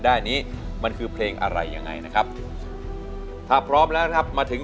ได้นี้มันคือเพลงอะไรยังไงนะครับถ้าพร้อมแล้วนะครับมาถึง